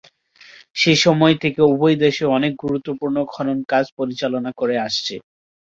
সেই সময় থেকে উভয় দেশই অনেক গুরুত্বপূর্ণ খনন কাজ পরিচালনা করে আসছে।